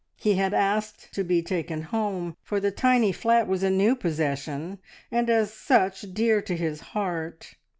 He had asked to be taken home, for the tiny flat was a new possession, and as such dear to his heart.